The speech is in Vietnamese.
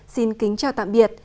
xin kính chào tạm biệt